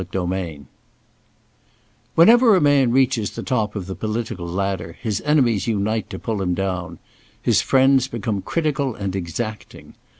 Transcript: Chapter IX WHENEVER a man reaches the top of the political ladder, his enemies unite to pull him down. His friends become critical and exacting.